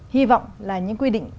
hy vọng là những quy định